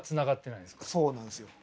そうなんですよ。